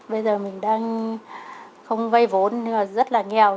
bây giờ mình đang không vay vốn nhưng mà rất là nghèo